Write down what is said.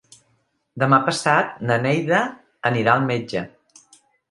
Demà passat na Neida anirà al metge.